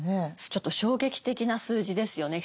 ちょっと衝撃的な数字ですよね。